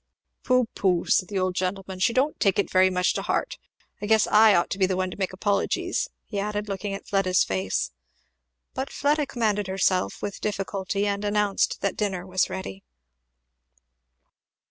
"Pho, pho," said the old gentleman, "she don't take it very much to heart. I guess I ought to be the one to make the apologies," he added, looking at Fleda's face. But Fleda commanded herself, with difficulty, and announced that dinner was ready.